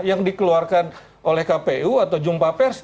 yang dikeluarkan oleh kpu atau jumpa pers